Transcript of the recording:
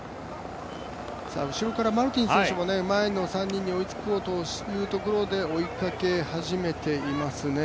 後ろからマルティン選手が、前の３人に追いつこうという中で追いかけ始めていますね。